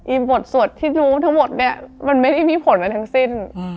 บทสวดที่รู้ทั้งหมดเนี่ยมันไม่ได้มีผลมาทั้งสิ้น